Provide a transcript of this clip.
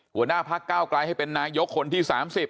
หัวหน้าภักษ์๙กลายให้เป็นนายกศนที่๓๐